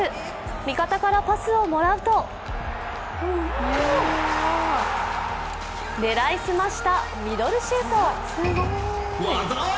味方からパスをもらうと狙い澄ましたミドルシュート。